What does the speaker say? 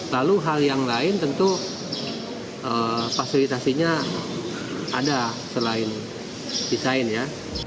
lalu hal yang lain tentu fasilitasinya ada selain desain ya